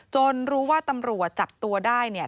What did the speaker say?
รู้ว่าตำรวจจับตัวได้เนี่ย